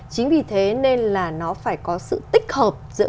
chính vì thế nên là nó phải có sự tích hợp giữa các cái yếu tố